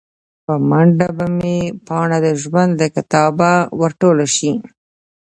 په منډه به مې پاڼه د ژوند له کتابه ور ټوله شي